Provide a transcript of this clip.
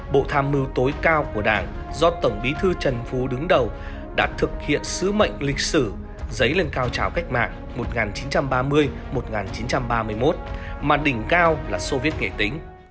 bộ tham mưu tối cao của đảng do tổng bí thư trần phú đứng đầu đã thực hiện sứ mệnh lịch sử giấy lên cao trào cách mạng một nghìn chín trăm ba mươi một nghìn chín trăm ba mươi một mà đỉnh cao là soviet nghệ tính